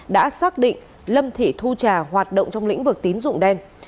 đã xác định lâm thị thu trà hoạt động trong lĩnh vực tín dụng đen